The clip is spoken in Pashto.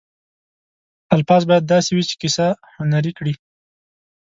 الفاظ باید داسې وي چې کیسه هنري کړي.